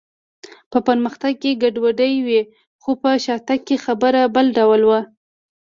په پرمختګ کې ګډوډي وي، خو په شاتګ کې خبره بل ډول وه.